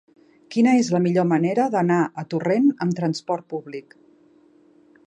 Quina és la millor manera d'anar a Torrent amb trasport públic?